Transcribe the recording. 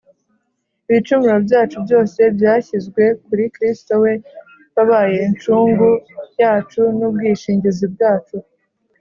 ibicumuro byacu byose byashyizwe kuri kristo we wabaye incungu yacu n’ubwishingizi bwacu